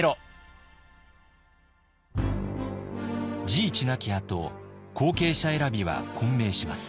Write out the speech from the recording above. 治一亡きあと後継者選びは混迷します。